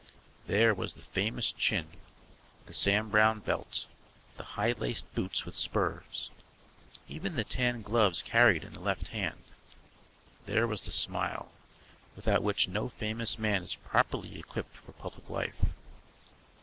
There was the famous chin, the Sam Browne belt, the high laced boots with spurs. Even the tan gloves carried in the left hand. There was the smile, without which no famous man is properly equipped for public life.